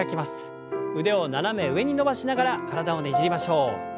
腕を斜め上に伸ばしながら体をねじりましょう。